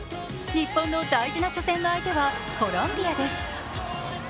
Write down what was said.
日本の大事な初戦の相手はコロンビアです。